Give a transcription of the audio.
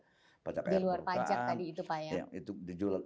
di luar pajak tadi itu pak ya